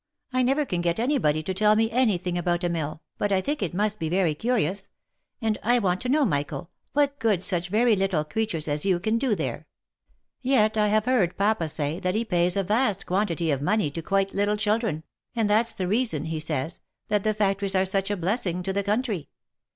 I never can get any body to tell me any thing about a mill, but I think it must be very curious — and I want to know, Michael, what good such very little creatures as you can do there ; yet I have heard papa say, that he pays a vast quantity of money to quite little children, and that's the reason, he says, that 74 THE LIFE AND ADVENTURES the factories are such a blessing to the country.